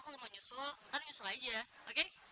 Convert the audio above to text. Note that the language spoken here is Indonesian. kalau mau nyusul ntar nyusul aja oke